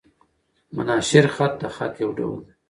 مناشیر خط؛ د خط یو ډول دﺉ.